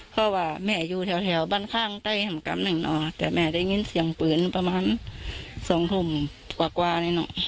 เพราะว่าแม่อยู่แถวแถวบ้านข้างใต้ทำกำหนังนอกแต่แม่ได้ยินเสียงปืนประมาณสองธุ่มกว่ากว่านี้น่ะ